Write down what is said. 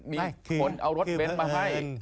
ไม่คือเพราะเอิญ